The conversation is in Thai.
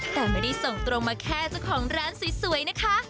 แต่ไม่ได้ส่งตรงมาแค่เจ้าของร้านสวยนะคะ